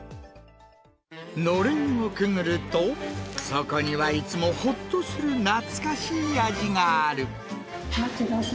のれんをくぐると、そこにはいつもほっとする懐かしい味がある。